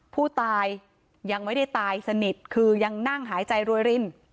ผู้ตายยังไม่ได้ตายสนิทคือยังนั่งหายใจรวยริน